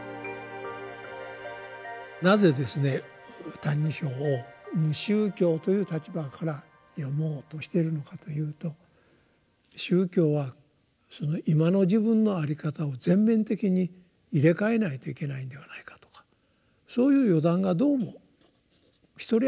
なぜですね「歎異抄」を無宗教という立場から読もうとしてるのかというと宗教は今の自分のあり方を全面的に入れ替えないといけないのではないかとかそういう予断がどうも一人歩きしてるんですね。